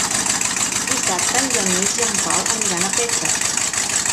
Dissabte en Genís i en Pau aniran a Petra.